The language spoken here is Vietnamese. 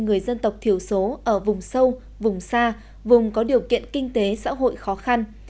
người dân tộc thiểu số ở vùng sâu vùng xa vùng có điều kiện kinh tế xã hội khó khăn